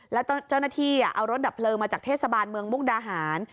แล้วเจ้าหน้าที่เอารถดับเพลิงมาจากเทศบาลเมืองมุกดาหาร